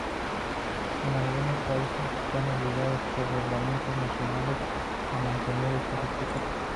En algunos países están obligados por reglamentos nacionales a mantener estos equipos.